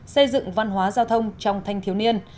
xây dựng văn hóa giao thông trong thanh thiếu niên